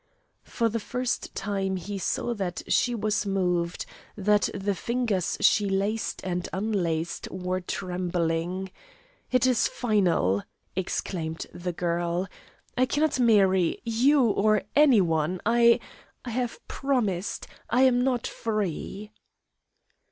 For the first time he saw that she was moved, that the fingers she laced and unlaced were trembling. "It is final!" exclaimed the girl. "I cannot marry you, or any one. I I have promised. I am not free."